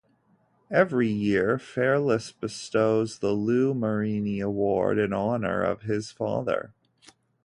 Every year, Fairless bestows the Lou Marini Award in honor of his father.